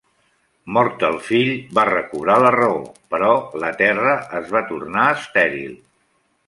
Mort el fill, va recobrar la raó, però la terra es va tornar estèril.